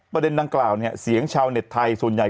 ประเด็นดังกล่าวเนี่ยเสียงชาวเน็ตไทยส่วนใหญ่